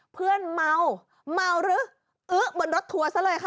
เพื่อนเมาเมาหรือเอ๊ะเหมือนรสถั่วซะเลยค่ะ